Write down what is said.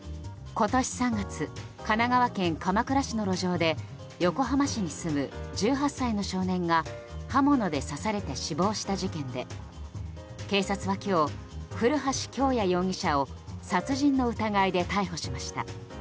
今年３月神奈川県鎌倉市の路上で横浜市に住む１８歳の少年が刃物で刺されて死亡した事件で警察は今日、古橋京也容疑者を殺人の疑いで逮捕しました。